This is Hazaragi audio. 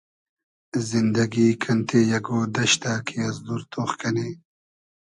زیندئگی کئنتې اگۉ دئشتۂ کی از دور تۉخ کئنی